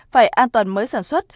phải an toàn mới sản xuất